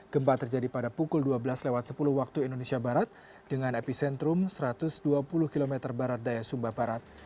gempa terjadi pada pukul dua belas sepuluh waktu indonesia barat dengan epicentrum satu ratus dua puluh km barat daya sumba barat